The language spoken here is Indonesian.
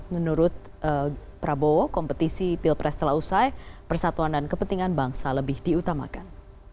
menurut prabowo kompetisi pilpres telah usai persatuan dan kepentingan bangsa lebih diutamakan